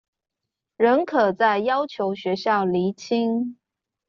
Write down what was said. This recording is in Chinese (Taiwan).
仍可再要求學校釐清